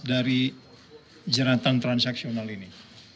dari jeratan transaksional ini